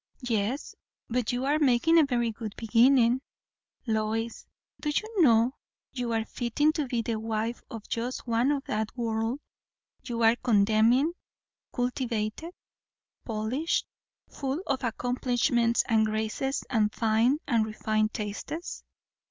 "Yes, but you are making a very good beginning. Lois, do you know, you are fitting to be the wife of just one of that world you are condemning cultivated, polished, full of accomplishments and graces, and fine and refined tastes."